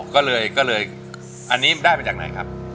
ก็เลยอันนี้ได้มาจากไหนครับ